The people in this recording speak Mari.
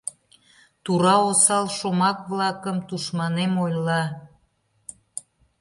Тура, осал шомак-влакым Тушманем ойла.